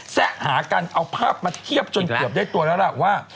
แซะหากันเอาภาพมาเทียบจนเกือบได้ตัวแล้วล่ะว่า